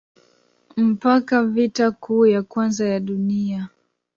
mpaka Vita Kuu ya kwanza ya dunia